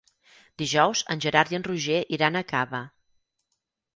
Dijous en Gerard i en Roger iran a Cava.